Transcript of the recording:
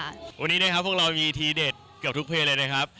วันนี้นะครับพวกเรามีทีเด็ดเกือบทุกเพลงเลยนะครับ